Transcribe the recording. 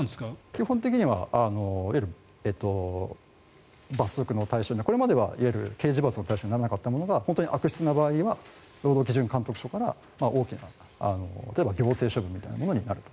基本的にはこれまではいわゆる刑事罰の対象にならなかったものが本当に悪質な場合には労働基準監督署から大きな例えば行政処分みたいなものになる。